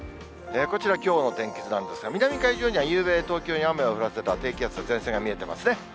こちらきょうの天気図なんですが、南海上にはゆうべ、東京に雨を降らせた低気圧や前線が見えてますね。